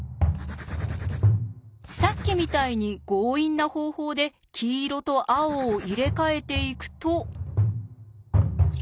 さっきみたいに強引な方法で黄色と青を入れ替えていくと。